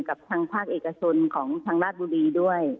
กับทางภาคเอกชนของทางราชบุรีด้วย